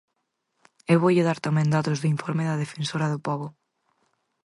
Eu voulle dar tamén datos do informe da Defensora do Pobo.